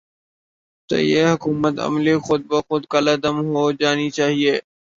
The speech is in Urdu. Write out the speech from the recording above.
تو یہ حکمت عملی خود بخود کالعدم ہو جا نی چاہیے۔